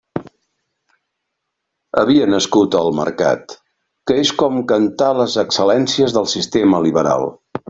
Havia nascut el mercat, que és com cantar les excel·lències del sistema liberal.